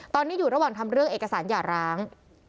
ตอนนี้อยู่ระหว่างทำเรื่องเอกสารหย่าร้าง